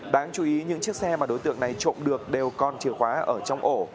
đáng chú ý những chiếc xe mà đối tượng này trộm được đều còn chìa khóa ở trong ổ